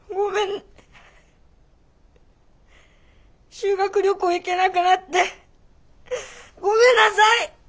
修学旅行へ行けなくなってごめんなさい！